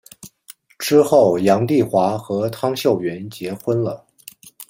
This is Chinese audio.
之后杨棣华和汤秀云结婚了。